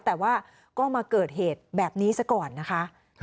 แต่ว่าก็มาเกิดเหตุแบบนี้ซะก่อนนะคะ